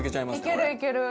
いけるいける